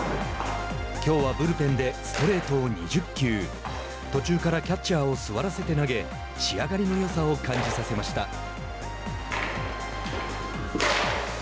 きょうはブルペンでストレートを２０球途中からキャッチャーを座らせて投げ仕上がりのよさを感じさせました。